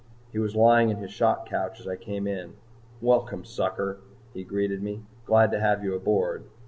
He was lying in his shock couch as I came in. "Welcome, sucker," he greeted me. "Glad to have you aboard."